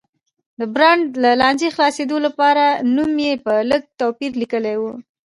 د برانډ له لانجې خلاصېدو لپاره نوم یې په لږ توپیر لیکلی و.